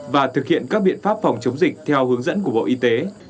và thực hiện các biện pháp phòng chống dịch theo hướng dẫn của bộ y tế